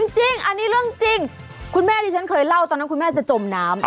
จริงอันนี้เรื่องจริงคุณแม่ที่ฉันเคยเล่าตอนนั้นคุณแม่จะจมน้ำ